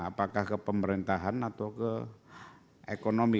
apakah ke pemerintahan atau ke ekonomi